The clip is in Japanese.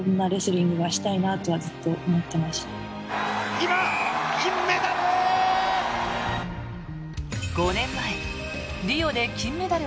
今、金メダル！